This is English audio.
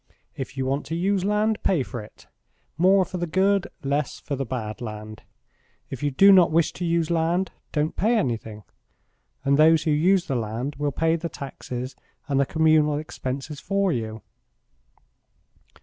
If you want to use land pay for it more for the good, less for the bad land. If you do not wish to use land, don't pay anything, and those who use the land will pay the taxes and the communal expenses for you."